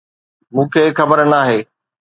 مونکي خبر ناهي